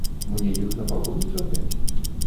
Мне іх на пагоны чапляць!